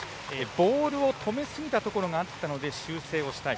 ボールを止めすぎたところがあったので修正をしたい。